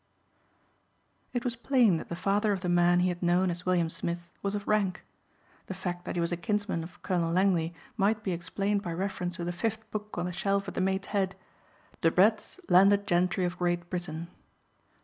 It was plain that the father of the man he had known as William Smith was of rank. The fact that he was a kinsman of Colonel Langley might be explained by reference to the fifth book on the shelf at the Maids' Head "Debrett's Landed Gentry of Gt. Britain."